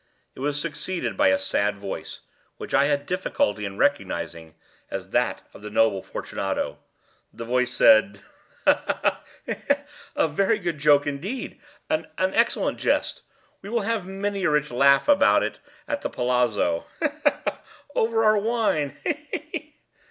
It was succeeded by a sad voice, which I had difficulty in recognising as that of the noble Fortunato. The voice said— "Ha! ha! ha!—he! he!—a very good joke indeed—an excellent jest. We will have many a rich laugh about it at the palazzo—he! he! he!—over our wine—he! he! he!"